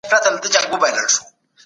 ولسي جرګه د فساد پيښي پلټي.